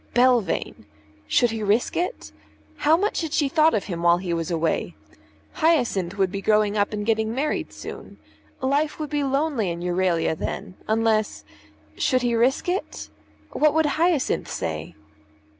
Belvane! Should he risk it? How much had she thought of him while he was away? Hyacinth would be growing up and getting married soon. Life would be lonely in Euralia then, unless Should he risk it? What would Hyacinth say?